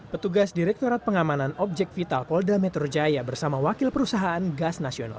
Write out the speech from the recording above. petugas direkturat pengamanan objek vital pol dametra jaya bersama wakil perusahaan gas nasional